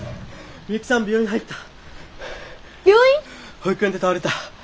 保育園で倒れた。